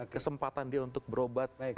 kesempatan dia untuk berobat